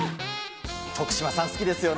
徳島さん、好きですよね。